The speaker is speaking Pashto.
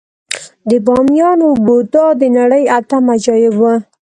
د بامیانو بودا د نړۍ اتم عجایب و